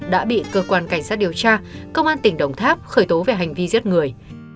đã bị cơ quan cảnh sát điều tra công an tỉnh đồng tháp khởi tố về hành vi giết người